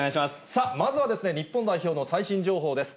さあ、まずは日本代表の最新情報です。